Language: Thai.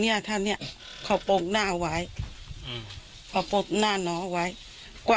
โทษมากตัดแไปกด้วยครับบอกว่าเวลาคนเรือว่ากลับได้นั่นอนครับครับ